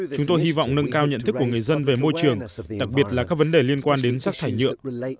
chúng tôi hy vọng nâng cao nhận thức của người dân về môi trường đặc biệt là các vấn đề liên quan đến rác thải nhựa